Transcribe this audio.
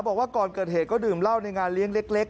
บอกว่าก่อนเกิดเหตุก็ดื่มเหล้าในงานเลี้ยงเล็ก